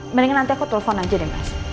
mendingan nanti aku telepon aja deh mas